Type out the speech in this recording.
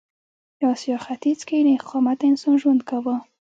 د اسیا ختیځ کې نېغ قامته انسان ژوند کاوه.